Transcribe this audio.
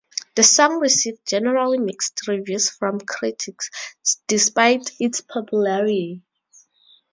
The song received generally mixed reviews from critics, despite its popularity.